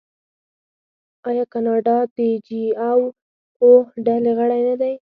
آیا کاناډا د جي اوه ډلې غړی نه دی؟